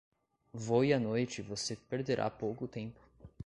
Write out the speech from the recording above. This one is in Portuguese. Voe à noite e você perderá pouco tempo.